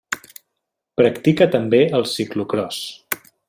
Practica també el ciclocròs.